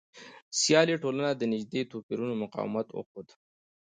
سیالي ټولنه د نژادي توپیرونو مقاومت وښود.